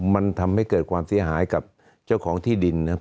มันทำให้เกิดความเสียหายกับเจ้าของที่ดินนะครับ